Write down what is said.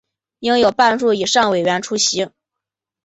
应有半数以上委员出席